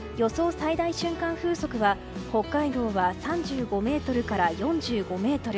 最大瞬間風速は北海道は３５メートルから４５メートル